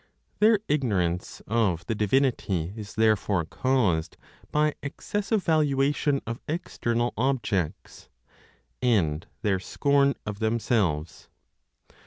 Their ignorance of the divinity is therefore caused by excessive valuation of external objects, and their scorn of themselves.